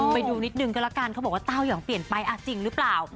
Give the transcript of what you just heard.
ไปดูนิดนึงก็แล้วกันเขาบอกว่าเต้ายองเปลี่ยนไปจริงหรือเปล่า